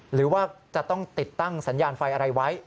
หรือว่าจะต้องติดตั้งสัญญาณไฟอะไรไว้